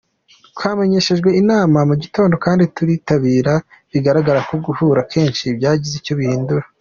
Twamenyeshejwe inama mu gitondo kandi turitabira bigaragara ko guhura kenshi byagize icyo bihindura”.